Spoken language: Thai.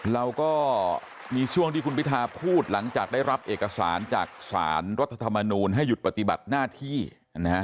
เราก็มีช่วงที่คุณพิทาพูดหลังจากได้รับเอกสารจากสารรัฐธรรมนูลให้หยุดปฏิบัติหน้าที่นะฮะ